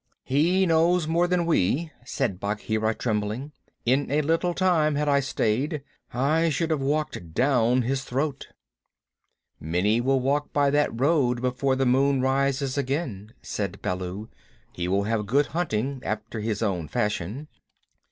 "He knows more than we," said Bagheera, trembling. "In a little time, had I stayed, I should have walked down his throat." "Many will walk by that road before the moon rises again," said Baloo. "He will have good hunting after his own fashion."